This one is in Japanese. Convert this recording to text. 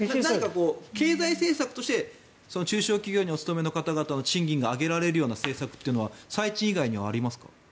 経済政策として中小企業にお勤めの方々の賃金が上げられるような政策というのはそれ以外にはありますか？